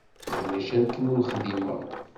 Ulac akken ur xdimeɣ.